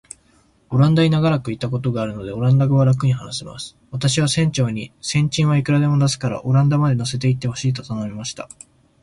オランダに長らくいたことがあるので、オランダ語はらくに話せます。私は船長に、船賃はいくらでも出すから、オランダまで乗せて行ってほしいと頼みました。